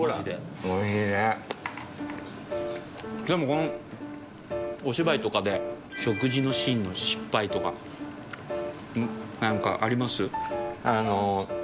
でもお芝居とかで食事のシーンの失敗とか何かあります？